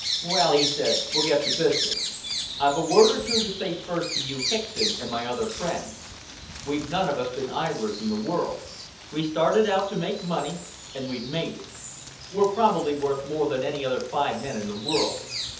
"Well," he said, "we'll get to business. I've a word or two to say first to you, Hickson, and my other friends. We've none of us been idlers in the world. We started out to make money, and we've made it. We're probably worth more than any other five men in the world.